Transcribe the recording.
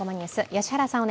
良原さん